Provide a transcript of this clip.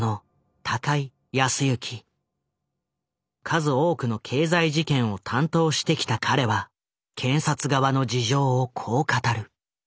数多くの経済事件を担当してきた彼は検察側の事情をこう語る。